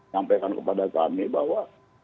sampaikan kepada kami bahwa